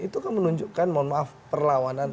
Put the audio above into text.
itu kan menunjukkan mohon maaf perlawanan